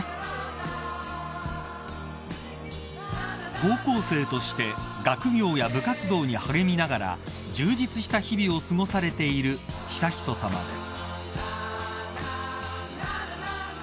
［高校生として学業や部活動に励みながら充実した日々を過ごされている悠仁さまです］